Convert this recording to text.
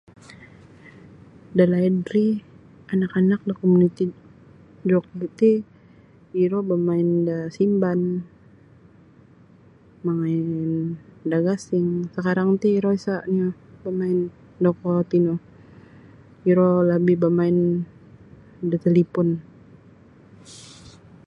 Dalaid ri anak-anak da komuniti do oku ti iro bamain da simban bamain da gasing sakarang ti iro sa' nio bamain da kuo tino iro labih bamain da talipon.